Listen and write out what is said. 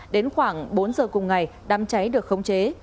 đến khoảng bốn giờ cùng ngày đám cháy được khống chế